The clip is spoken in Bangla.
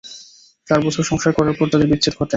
চার বছর সংসার করার পর তাদের বিচ্ছেদ ঘটে।